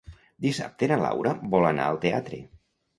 Dissabte na Laura vol anar al teatre.